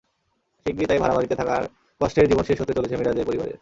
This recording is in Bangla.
শিগগিরই তাই ভাড়া বাড়িতে থাকার কষ্টের জীবন শেষ হতে চলেছে মিরাজের পরিবারের।